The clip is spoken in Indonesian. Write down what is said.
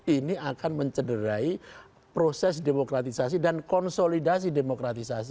ini akan mencederai proses demokratisasi dan konsolidasi demokratisasi